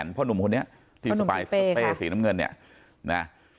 พ่อหนุ่มคนนี้ที่สะเปยสีน้ำเงิน